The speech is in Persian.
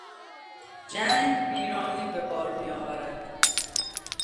جنگ ویرانی به بار میآورد.